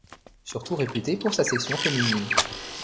Surtout réputé pour sa section féminine.